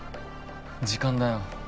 時間だよ